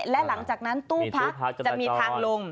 และหลังจากนั้นตู้พักจะมีทางลง